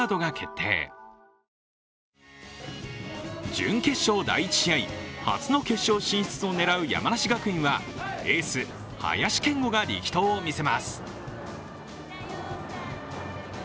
準決勝第１試合、初の決勝進出を狙う山梨学院はエース・林謙吾が力投を見せます。